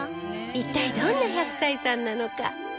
一体どんな１００歳さんなのか？